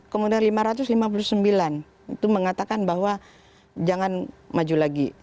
kemudian lima ratus lima puluh sembilan itu mengatakan bahwa jangan maju lagi